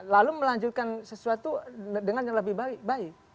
lalu melanjutkan sesuatu dengan yang lebih baik